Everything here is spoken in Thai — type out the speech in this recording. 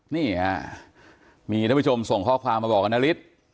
นี่ฮะมีท่านผู้ชมส่งข้อความมาบอกกับนาริส